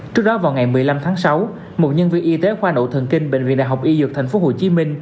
trước đó vào ngày một mươi năm tháng sáu một nhân viên y tế khoa nội thần kinh bệnh viện đại học y dược tp hcm